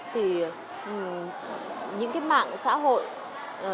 thì những cái mạng xã hội